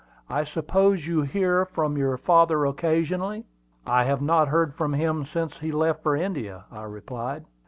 "I suppose you hear from your father occasionally?" "I have not heard from him since he left for India," I replied.